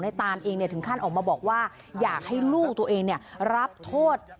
นายตานเองเนี่ยถึงขั้นออกมาบอกว่าอยากให้ลูกตัวเองเนี่ยรับโทษ